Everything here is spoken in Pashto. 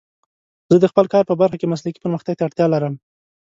زه د خپل کار په برخه کې مسلکي پرمختګ ته اړتیا لرم.